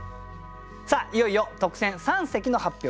さあいよいよ特選三席の発表です。